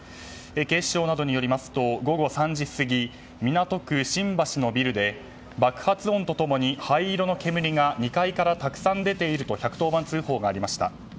警視庁などによりますと午後３時過ぎ港区新橋のビルで爆発音と共に灰色の煙が２階からたくさん出ていると１１０番通報がありました。